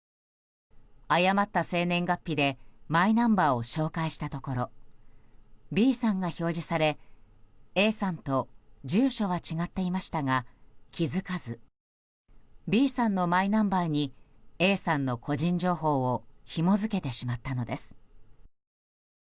誤った生年月日でマイナンバーを照会したところＢさんが表示されＡさんと住所は違っていましたが気づかずＢさんのマイナンバーにＡさんの個人情報をひも付けてしまったのです。